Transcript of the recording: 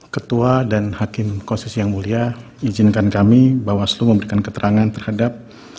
ketua dan hakim konstitusi yang mulia izinkan kami bawaslu memberikan keterangan terhadap